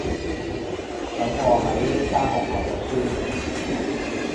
等我喺呢間學校讀書